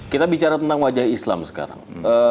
kita bicara tentang wajah islam sekarang